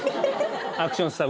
アクションスター。